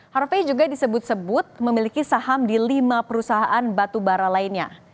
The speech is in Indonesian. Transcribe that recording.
harvey juga disebut sebut memiliki saham di lima perusahaan batubara lainnya